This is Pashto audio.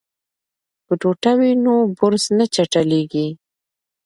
که ټوټه وي نو برس نه چټلیږي.